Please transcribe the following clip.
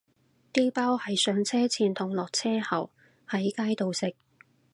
啲包係上車前同落車後喺街度食